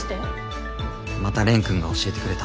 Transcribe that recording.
また蓮くんが教えてくれた。